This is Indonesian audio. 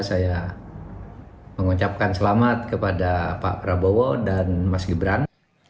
saya mengucapkan selamat kepada pak prabowo dan mas gibran